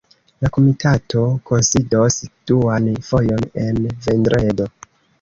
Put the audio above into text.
La komitato kunsidos duan fojon en vendredo.